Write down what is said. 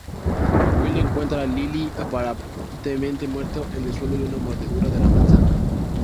Will encuentra Lily aparentemente muerto en el suelo de una mordedura de la manzana.